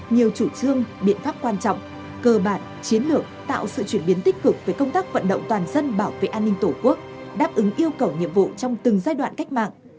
nhiều chủ trương biện pháp quan trọng cơ bản chiến lược tạo sự chuyển biến tích cực về công tác vận động toàn dân bảo vệ an ninh tổ quốc đáp ứng yêu cầu nhiệm vụ trong từng giai đoạn cách mạng